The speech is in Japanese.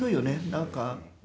何か。